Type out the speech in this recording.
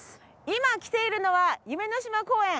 今来ているのは夢の島公園